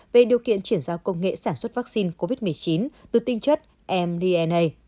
về điều kiện chuyển giao công nghệ sản xuất vaccine covid một mươi chín từ tinh chất mdna